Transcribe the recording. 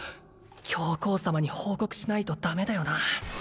教皇様に報告しないとダメだよな